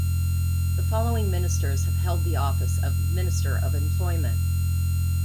The following ministers have held the office of Minister of Employment.